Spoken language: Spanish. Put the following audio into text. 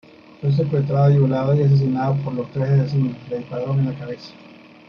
Fue secuestrada, violada y asesinada por los tres asesinos; le dispararon en la cabeza.